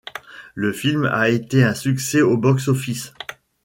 Le film a été un succès au box office.